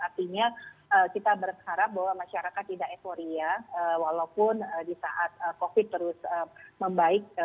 artinya kita berharap bahwa masyarakat tidak euforia walaupun di saat covid terus membaik